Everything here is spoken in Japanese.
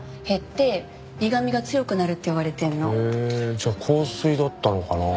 じゃあ硬水だったのかなあ？